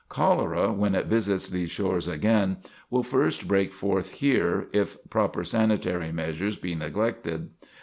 Cholera, when it visits these shores again, will first break forth here, if proper sanitary measures be neglected.